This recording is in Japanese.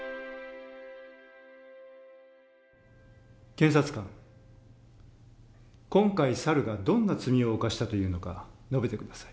検察官今回猿がどんな罪を犯したというのか述べて下さい。